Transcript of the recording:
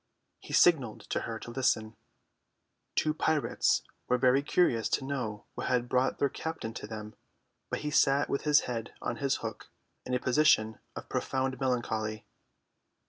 He signed to her to listen. The two pirates were very curious to know what had brought their captain to them, but he sat with his head on his hook in a position of profound melancholy.